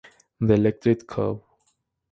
The Electric Co.